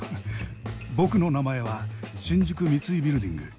僕の名前は新宿三井ビルディング。